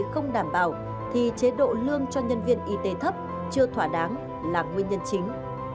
không đảm bảo thì chế độ lương cho nhân viên y tế thấp chưa thỏa đáng là nguyên nhân chính